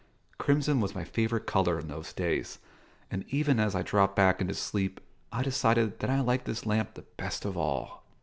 Crimson was my favourite colour in those days, and even as I dropped back into sleep I decided that I liked this lamp the best of all.